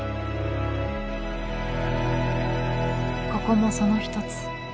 ここもその一つ。